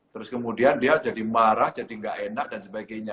terus kemudian dia jadi marah jadi nggak enak dan sebagainya